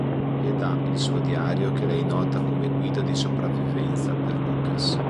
Le dà il suo diario che lei nota come 'Guida di sopravvivenza' per Lucas.